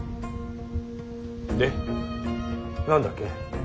で何だっけ。